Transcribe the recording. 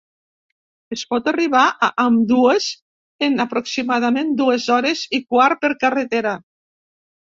Es pot arribar a ambdues en aproximadament dues hores i quart per carretera.